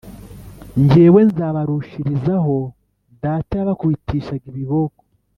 jyewe nzabarushirizaho Data yabakubitishaga ibiboko,